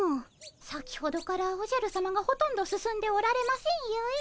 先ほどからおじゃるさまがほとんど進んでおられませんゆえ。